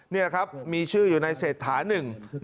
นี่แหละครับมีชื่ออยู่ในเศรษฐานึง